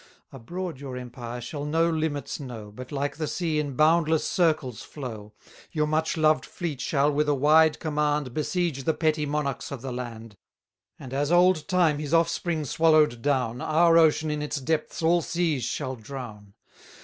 Abroad your empire shall no limits know, But, like the sea, in boundless circles flow. Your much loved fleet shall, with a wide command, 300 Besiege the petty monarchs of the land: And as old Time his offspring swallow'd down, Our ocean in its depths all seas shall drown.